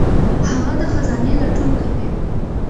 هغه د خزانې لټون کوي.